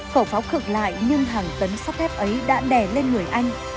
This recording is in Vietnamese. khẩu pháo cực lại nhưng thằng tấn sắp thép ấy đã đè lên người anh